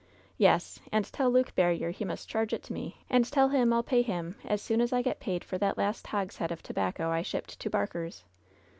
"Yes, and tell Luke Barriere he must charge it to me, and tell him I'll pay him as soon as I get paid for that last hogshead of tobacco I shipped to Barker's."